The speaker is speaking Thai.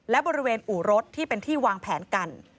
และบริเวณอู่รถที่เป็นที่วางแผนกัน